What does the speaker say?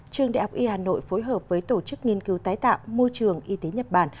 trường đại học y hà nội phối hợp với tổ chức nghiên cứu tái tạo môi trường y tế nhật bản